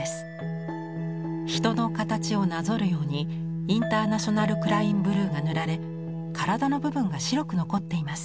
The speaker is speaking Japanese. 人の形をなぞるようにインターナショナル・クライン・ブルーが塗られ体の部分が白く残っています。